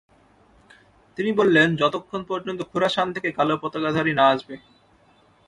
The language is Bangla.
তিনি বললেন, “যতক্ষণ পর্যন্ত খুরাসান থেকে কালো পতাকাধারী না আসবে।